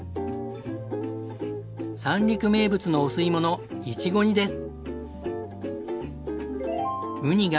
三陸名物のお吸い物いちご煮です。